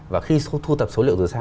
và khi thu thập số liệu từ xa